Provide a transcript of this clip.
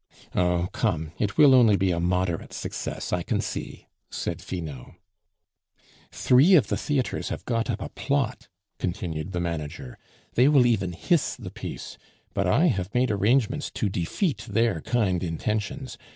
"Oh! come, it will only be a moderate success, I can see," said Finot. "Three of the theatres have got up a plot," continued the manager; "they will even hiss the piece, but I have made arrangements to defeat their kind intentions.